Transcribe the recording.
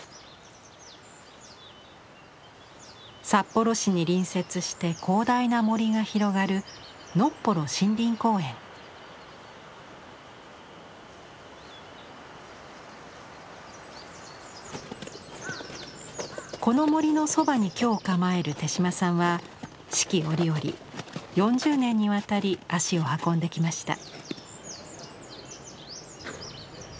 札幌市に隣接して広大な森が広がるこの森のそばに居を構える手島さんは四季折々４０年にわたり足を運んできました。